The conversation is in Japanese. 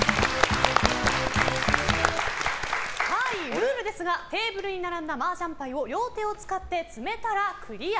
ルールですがテーブルに並んだマージャン牌を両手を使って積めたらクリア。